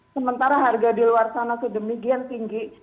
sementara harga di luar sana sedemikian tinggi